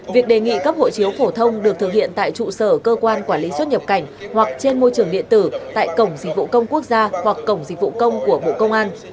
việc đề nghị cấp hộ chiếu phổ thông được thực hiện tại trụ sở cơ quan quản lý xuất nhập cảnh hoặc trên môi trường điện tử tại cổng dịch vụ công quốc gia hoặc cổng dịch vụ công của bộ công an